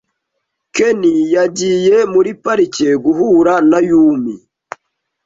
Ken yagiye muri parike guhura na Yumi .